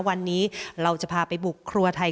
วันนี้เราจะพาไปบุกครัวไทย